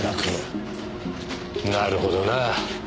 なるほどな。